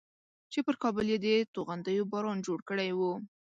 چې پر کابل یې د توغندیو باران جوړ کړی و.